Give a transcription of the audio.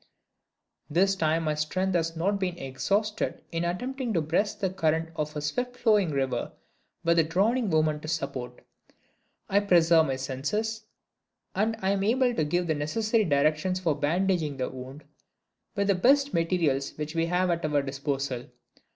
This time my strength has not been exhausted in attempting to breast the current of a swift flowing river with a drowning woman to support. I preserve my senses; and I am able to give the necessary directions for bandaging the wound with the best materials which we have at our disposal.